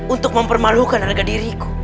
untuk mempermalukan harga diriku